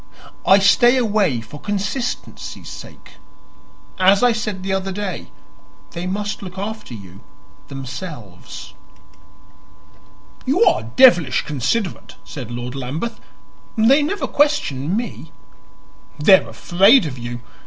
I stay away for consistency's sake. As I said the other day, they must look after you themselves." "You are devilish considerate," said Lord Lambeth. "They never question me." "They are afraid of you.